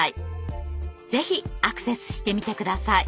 ぜひアクセスしてみて下さい。